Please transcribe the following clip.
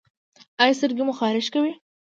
ایا سترګې مو خارښ کوي؟